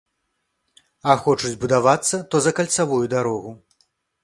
А хочуць будавацца, то за кальцавую дарогу!